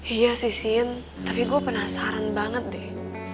iya sih sien tapi gue penasaran banget deh